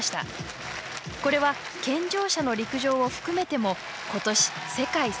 これは健常者の陸上を含めても今年世界最高の記録です。